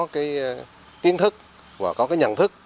tiến thức và có nhận thức